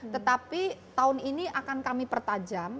tetapi tahun ini akan kami pertajam